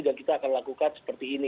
dan kita akan lakukan seperti ini